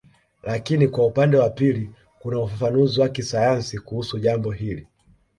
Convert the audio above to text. Lakini kwa upande wa pili kuna ufafanuzi wa kisayansi kuhusu jambo hili